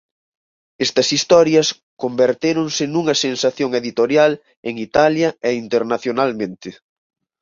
Estas historias convertéronse nunha sensación editorial en Italia e internacionalmente.